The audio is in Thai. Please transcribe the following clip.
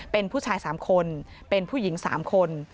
เป็นผู้ชาย๓คนเป็นผู้หญิง๓คน